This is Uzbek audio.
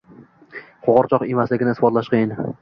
qo‘g‘irchoq emasligini isbotlash qiyin.